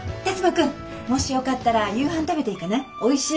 辰馬くんもしよかったら夕飯食べていかない？